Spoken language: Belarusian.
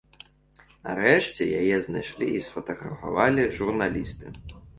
Нарэшце, яе знайшлі і сфатаграфавалі журналісты.